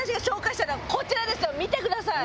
見てください！